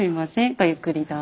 ごゆっくりどうぞ。